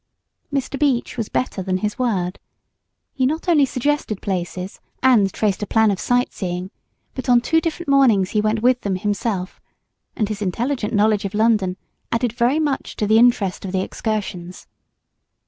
Mr. Beach was better than his word. He not only suggested places and traced a plan of sight seeing, but on two different mornings he went with them himself; and his intelligent knowledge of London added very much to the interest of the excursions.